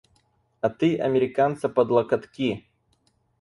А ты американца под локотки!